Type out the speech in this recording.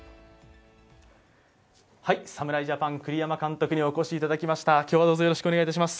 侍ジャパン・栗山監督にお越しいただきました。